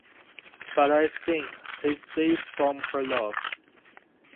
But I think he’s safe from her love.